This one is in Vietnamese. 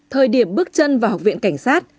thời điểm bước chân vào học viện cảnh sát